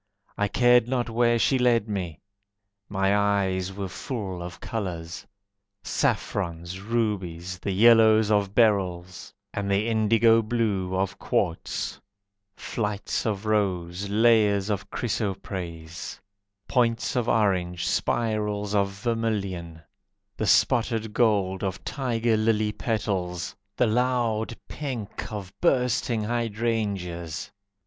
I cared not where she led me, My eyes were full of colours: Saffrons, rubies, the yellows of beryls, And the indigo blue of quartz; Flights of rose, layers of chrysoprase, Points of orange, spirals of vermilion, The spotted gold of tiger lily petals, The loud pink of bursting hydrangeas.